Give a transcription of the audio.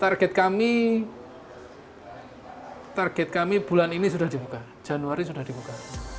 target kami target kami bulan ini sudah dibuka januari sudah dibuka